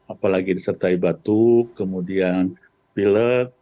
apalagi disertai batuk kemudian pilek